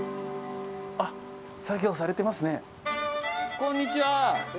こんにちは！